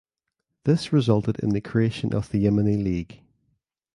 This resulted in the creation of the Yemeni League.